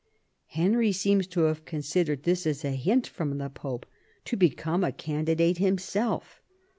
Henry seems to have considered this as a hint from the Pope to become a candidate himself.